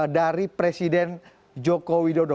dari presiden joko widodo